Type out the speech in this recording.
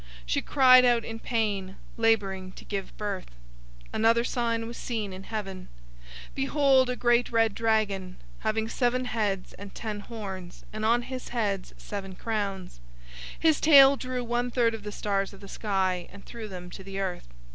She cried out in pain, laboring to give birth. 012:003 Another sign was seen in heaven. Behold, a great red dragon, having seven heads and ten horns, and on his heads seven crowns. 012:004 His tail drew one third of the stars of the sky, and threw them to the earth.